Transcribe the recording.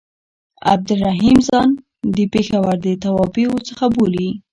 عبدالرحیم ځان د پېښور د توابعو څخه بولي.